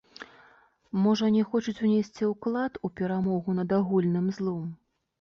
Можа, не хочуць унесці ўклад у перамогу над агульным злом?